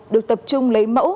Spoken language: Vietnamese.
được tập trung lấy mẫu